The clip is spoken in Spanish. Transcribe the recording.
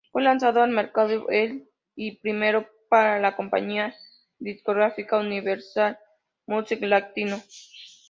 Fue lanzado al mercado el y primero para la compañía discográfica Universal Music Latino.